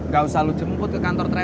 gak usah lo jemput ke kantor travel